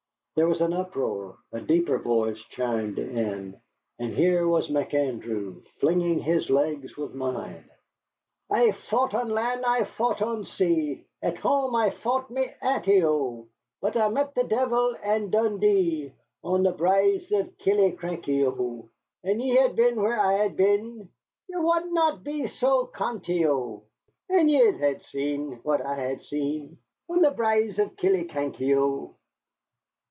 There was an uproar, a deeper voice chimed in, and here was McAndrew flinging his legs with mine: "I've faught on land, I've faught at sea, At hame I faught my aunty, O; But I met the deevil and Dundee On the braes o' Killiecrankie, O. An' ye had been where I had been, Ye wad na be sae cantie, O; An' ye had seen what I ha'e seen, On the braes o' Killiecrankie, O."